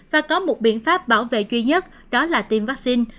và có một biện pháp bảo vệ duy nhất đó là tiêm vaccine